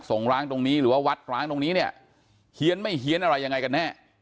ร้างตรงนี้หรือว่าวัดร้างตรงนี้เนี่ยเฮียนไม่เฮียนอะไรยังไงกันแน่